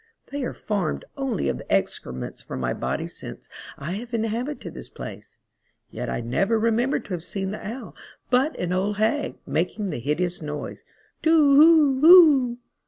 They are formed only of the excrements from my body since I have inhabited this place, yet I never remem ber to have seen the Owl but an old hag, making that hideous noise, Too, hoo, hoo